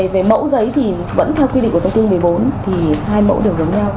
về mẫu giấy thì vẫn theo quy định của thông tư một mươi bốn thì hai mẫu đều giống nhau